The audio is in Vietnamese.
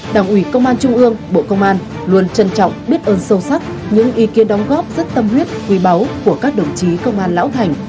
đảng ủy công an trung ương bộ công an luôn trân trọng biết ơn sâu sắc những ý kiến đóng góp rất tâm huyết quý báu của các đồng chí công an lão thành